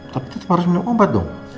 tapi tetap harus minum obat dong